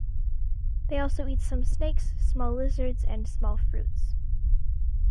They also eat some snakes, small lizards and small fruits.